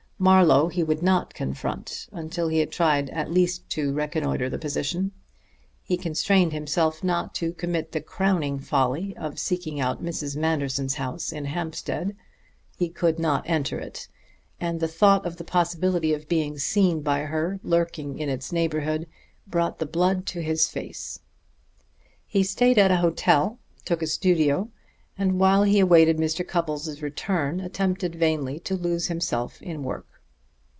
Marlowe he would not confront until he had tried at least to reconnoiter the position. He constrained himself not to commit the crowning folly of seeking out Mrs. Manderson's house in Hampstead; he could not enter it, and the thought of the possibility of being seen by her lurking in its neighborhood brought the blood to his face. He stayed at a hotel, took a studio, and while he awaited Mr. Cupples' return attempted vainly to lose himself in work.